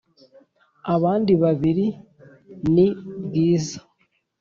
abandi babiri ni bwiza